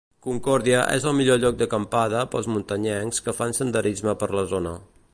Concòrdia és el millor lloc d'acampada pels muntanyencs que fan senderisme per la zona.